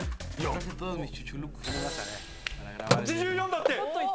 ８４だって！